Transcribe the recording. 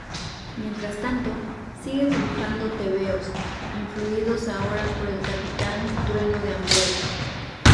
Mientras tanto, sigue dibujando tebeos, influidos ahora por El Capitán Trueno de Ambrós.